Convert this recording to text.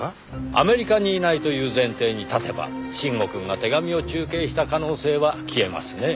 アメリカにいないという前提に立てば臣吾くんが手紙を中継した可能性は消えますねぇ。